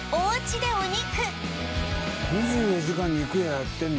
ｄｅお肉２４時間肉屋やってんだ